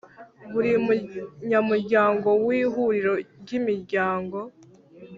Buri munyamuryango w Ihuriro ry Imiryango